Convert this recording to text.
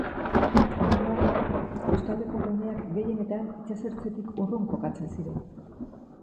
Horren aurrean kostaldeko guneak gehienetan itsas-ertzetik urrun kokatzen ziren.